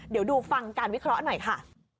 เดี๋ยวดูฟังการวิเคราะห์หน่อยค่ะ